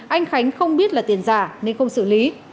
anh khánh không biết là tiền giả nên không xử lý